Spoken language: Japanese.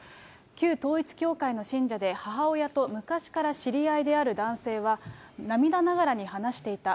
旧統一教会の信者で母親と昔から知り合いである男性は、涙ながらに話していた。